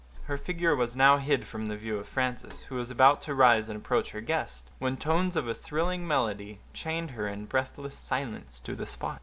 Her figure was now hid from the view of Frances, who was about to rise and approach her guest, when tones of a thrilling melody chained her in breathless silence to the spot.